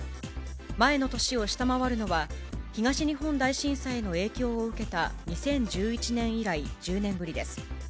前の年を下回るのは、東日本大震災の影響を受けた２０１１年以来１０年ぶりです。